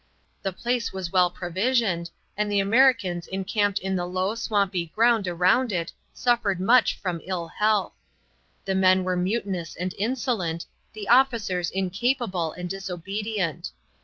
The place was well provisioned, and the Americans encamped in the low, swampy ground around it suffered much from ill health. The men were mutinous and insolent, the officers incapable and disobedient.